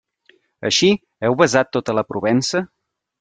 Així, ¿heu besat tota la Provença?